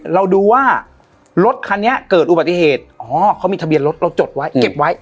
เราดูว่ารถคันนี้เกิดอุบัติเหตุอ๋อเขามีทะเบียนรถเราจดไว้เก็บไว้